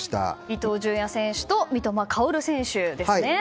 伊東純也選手と三笘薫選手ですね。